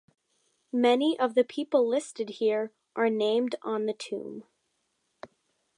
Many of the people listed here are named on the Tomb.